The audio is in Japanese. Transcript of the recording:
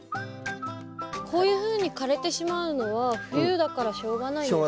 こういうふうに枯れてしまうのは冬だからしょうがないんですか？